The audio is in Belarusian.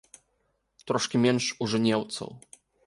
Трошкі менш у жэнеўцаў.